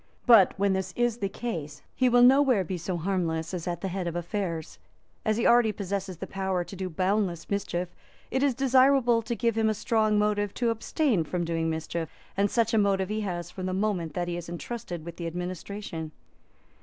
But, when this is the case, he will nowhere be so harmless as at the head of affairs. As he already possesses the power to do boundless mischief, it is desirable to give him a strong motive to abstain from doing mischief; and such a motive he has from the moment that he is entrusted with the administration.